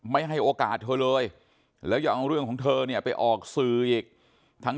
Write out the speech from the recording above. ไม่ให้โอกาสเธอเลยแล้วยังเอาเรื่องของเธอเนี่ยไปออกสื่ออีกทั้ง